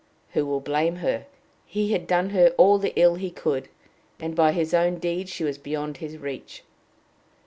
Who will blame her? He had done her all the ill he could, and by his own deed she was beyond his reach.